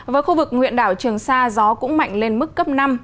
với khu vực huyện đảo trường sa gió cũng mạnh lên mức cấp năm